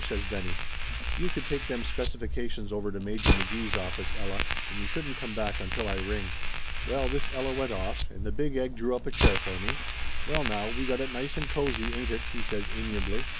says Benny. "You could take them specifications over to Major McGee's office, Ella, and you shouldn't come back until I ring." Well, this Ella went off, and the Big Egg drew up a chair for me. "Well, now, we got it nice and cozy, ain't it?" he says amiably.